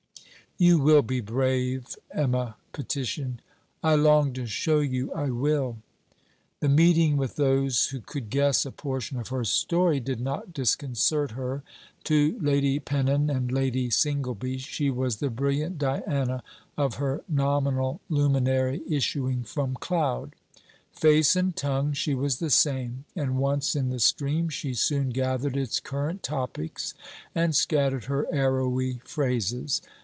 'You will be brave,' Emma petitioned. 'I long to show you I will.' The meeting with those who could guess a portion of her story, did not disconcert her. To Lady Pennon and Lady Singleby, she was the brilliant Diana of her nominal luminary issuing from cloud. Face and tongue, she was the same; and once in the stream, she soon gathered its current topics and scattered her arrowy phrases.